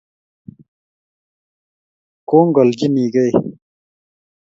Kongolchinikei